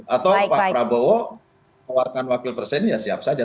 atau pak prabowo menawarkan wakil presiden ya siap saja